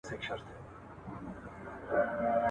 په ارزښتونو کي هم د ښکلا ارزښت